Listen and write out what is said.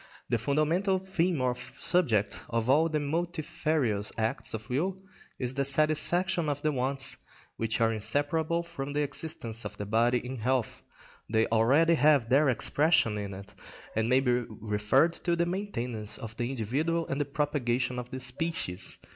The fundamental theme or subject of all the multifarious acts of will is the satisfaction of the wants which are inseparable from the existence of the body in health, they already have their expression in it, and may be referred to the maintenance of the individual and the propagation of the species.